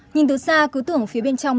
nhìn từ xa cứ tưởng phía bên trong